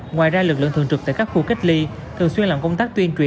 ngoài ra lực lượng thường trực tại các khu cách ly thường xuyên làm công tác tuyên truyền